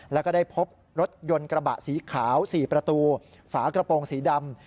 แล้วก็ได้พบรถยนต์กระบะสีขาว๔ประตูฝากระโปรงสีดำ